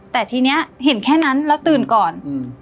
แต่ทีนี้เห็นแค่นั้นแล้วตื่นก่อน